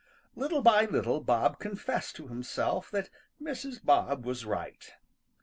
Little by little Bob confessed to himself that Mrs. Bob was right.